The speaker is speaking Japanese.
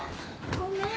ごめん。